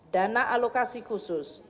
dana alokasi khusus